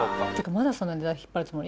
まだそのネタ引っ張るつもり？